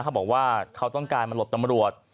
เขาบอกว่าเขาต้องการมาหลบตำรวจ